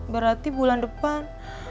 berarti bulan depan